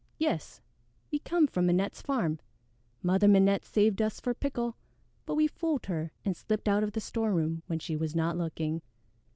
"Yes, we come from Minette's farm. Mother Minette saved us for pickle, but we fooled her and slipped out of the storeroom when she was not looking.